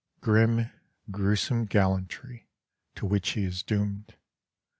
Grim, gruesome gallantry, to which he is doomed.